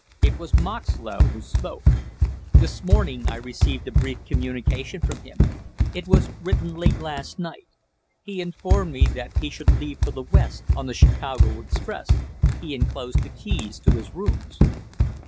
It was Moxlow who spoke. "This morning I received a brief communication from him; it was written late last night; he informed me that he should leave for the West on the Chicago express. He inclosed the keys to his rooms."